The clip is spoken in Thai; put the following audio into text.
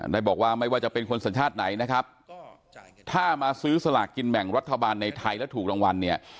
ได้บอกว่าไม่ว่าจะเป็นคนสัญชาติไหนนะครับถ้ามาซื้อสลากกินแบ่งรัฐบาลในไทยแล้วถูกรางวัลเนี่ย